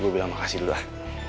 gue bilang makasih dulu lah